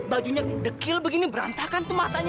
bajunya dekil begini berantakan tuh matanya